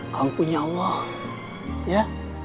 kamu punya allah ya